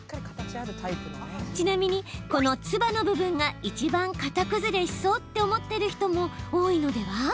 ちなみに、このつばの部分がいちばん形崩れしそうって思っている人も多いのでは？